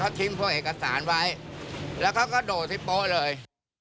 ทิ้งพวกเอกสารไว้แล้วเขาก็โดดที่โป๊ะเลย